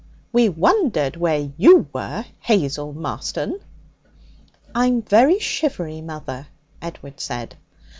We wondered where you were, Hazel Marston!' 'I'm very shivery, mother,' Edward said.